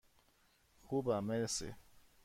خوبم، مرسی.